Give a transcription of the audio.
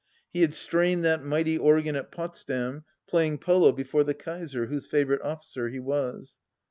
He had strained that mighty organ at Potsdam, playing polo before the Kaiser, whose favourite officer he was.